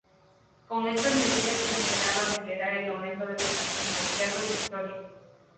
Con estas medidas se esperaba acelerar el aumento de población del Cerro y Victoria.